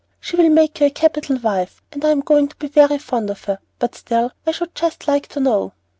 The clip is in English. She will make you a capital wife, and I'm going to be very fond of her, but still, I should just like to know."